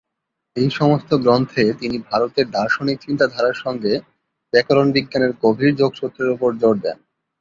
এই সমস্ত গ্রন্থে তিনি ভারতের দার্শনিক চিন্তাধারার সঙ্গে ব্যাকরণ বিজ্ঞানের গভীর যোগসূত্রের ওপর জোর দেন।